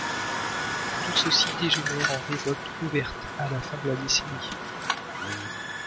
Tout ceci dégénère en révolte ouverte à la fin de la décennie.